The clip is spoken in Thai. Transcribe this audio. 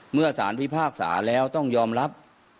เมื่อสารพิพากษาแล้วต้องยอมรับ